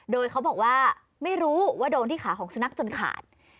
โดยเขาบอกว่าไม่รู้ว่าโดนที่ขาของสุนัขจนขาด